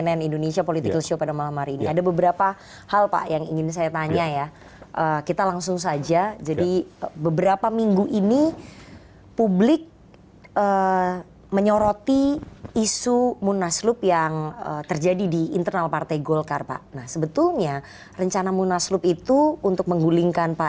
yang non sertifikat tadi kalau bajak laut kan